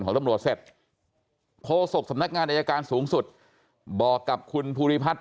ของตำรวจเสร็จโฆษกสำนักงานอายการสูงสุดบอกกับคุณภูริพัฒน์